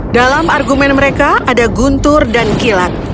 dalam argumen mereka ada guntur dan kilat